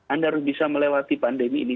anda harus bisa melewati pandemi ini